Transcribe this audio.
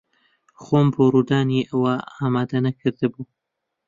خۆم بۆ ڕوودانی ئەوە ئامادە نەکردبوو.